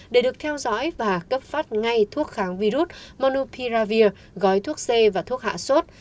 để được theo dõi và cấp phát ngay thuốc kháng virus monopiravir gói thuốc c và thuốc hạ sốt